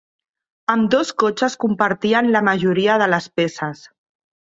Ambdós cotxes compartien la majoria de les peces.